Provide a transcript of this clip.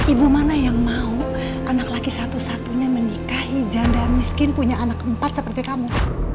ibu mana yang mau anak laki satu satunya menikahi janda miskin punya anak empat seperti kamu